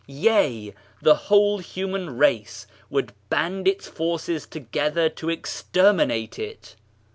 Yea, the whole human race would band its forces together to exterminate it.